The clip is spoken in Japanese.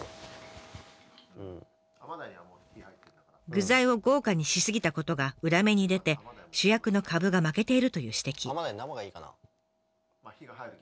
具材を豪華にし過ぎたことが裏目に出て主役のかぶが負けているという指摘。